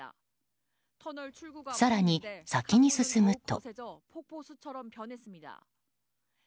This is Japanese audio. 更に先に進むと。